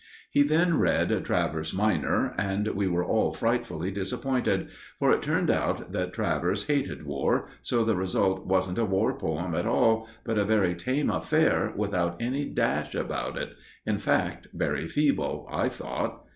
He then read Travers minor, and we were all frightfully disappointed, for it turned out that Travers hated war, so the result wasn't a war poem at all, but a very tame affair without any dash about it in fact, very feeble, I thought.